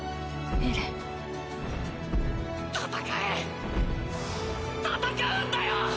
エレン：戦え、戦うんだよ！